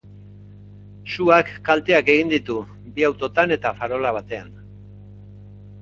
Suak kalteak egin ditu bi autotan eta farola batean.